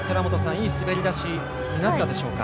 いい滑り出しになったでしょうか。